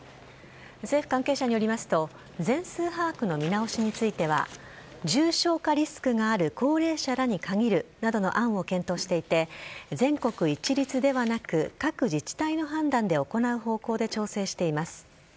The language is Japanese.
政府関係者によりますと全数把握の見直しについては重症化リスクがある高齢者らに限るなどの案を検討していて全国一律ではなく各自治体の判断で行う方向で調整しています。